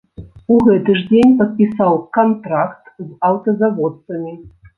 У гэты ж дзень падпісаў кантракт з аўтазаводцамі.